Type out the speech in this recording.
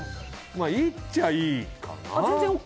いいっちゃいいかな。